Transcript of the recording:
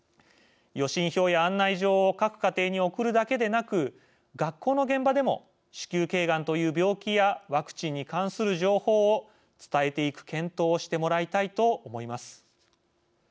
予診票や案内状を各家庭に送るだけでなく学校の現場でも子宮けいがんという病気やワクチンに関する情報を伝えていく検討をしてもらいたいと思います。